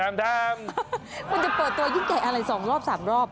คุณจะเปิดตัวยิ่งใหญ่อะไร๒รอบ๓รอบ